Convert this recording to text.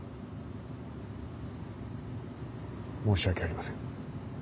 申し訳ありません。